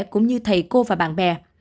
cũng như thầy cô và bạn bè